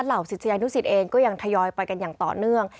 ศิษยานุสิตเองก็ยังทยอยไปกันอย่างต่อเนื่อง